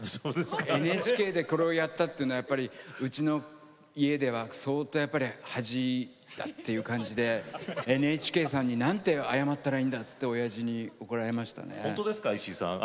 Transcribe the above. ＮＨＫでこれをやったというのはうちの家では相当、恥だという感じでＮＨＫさんになんて謝ったらいいんだっておやじに怒られましたね。